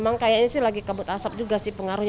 emang kayaknya sih lagi kabut asap juga sih pengaruhnya